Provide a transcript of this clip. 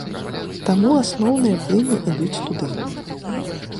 Таму асноўныя плыні ідуць туды.